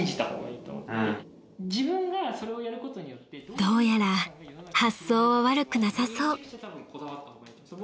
［どうやら発想は悪くなさそう］